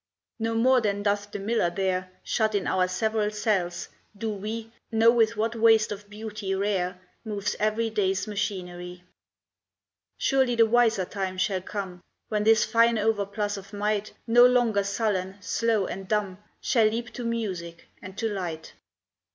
No more than doth the miller there, Shut in our several cells, do we Know with what waste of beauty rare Moves every day's machinery. Surely the wiser time shall come When this fine overplus of might, No longer sullen, slow, and dumb, Shall leap to music and to light.